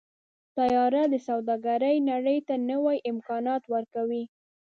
طیاره د سوداګرۍ نړۍ ته نوي امکانات ورکوي.